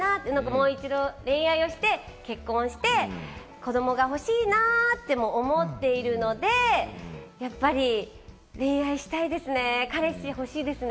もう一度、恋愛して結婚して子どもが欲しいなって思っているのでやっぱり恋愛したいですね。